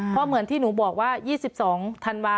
เพราะเหมือนที่หนูบอกว่า๒๒ธันวาค